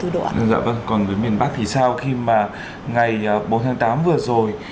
dạ vâng còn với miền bắc thì sao khi mà ngày bốn tháng tám vừa rồi